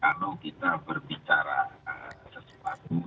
kalau kita berbicara sesuatu